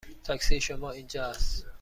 تاکسی شما اینجا است.